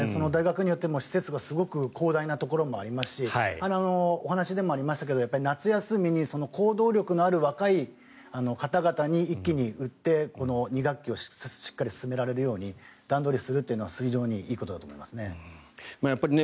大学によっては施設が非常に広大なところもありますしお話でもありましたが夏休みに行動力のある若い方々に一気に打ってこの２学期をしっかり進められるように段取りするのはいいことだと思いますね。